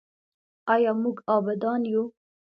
آیا موږ عابدان یو؟